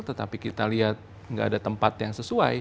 tetapi kita lihat nggak ada tempat yang sesuai